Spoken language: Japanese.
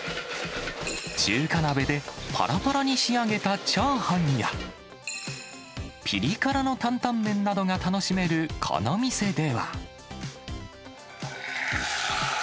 中華鍋でぱらぱらに仕上げたチャーハンや、ぴり辛の担々麺などが楽しめるこの店では。